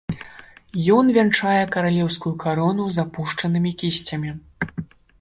Ён вянчае каралеўскую карону з апушчанымі кісцямі.